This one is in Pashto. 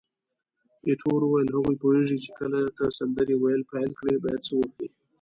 ایټور وویل: هغوی پوهیږي چې کله ته سندرې ویل پیل کړې باید څه وکړي.